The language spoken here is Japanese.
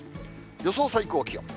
予想最高気温。